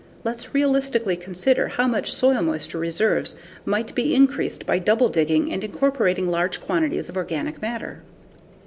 Let's realistically consider how much soil moisture reserves might be increased by double digging and incorporating large quantities of organic matter.